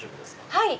はい。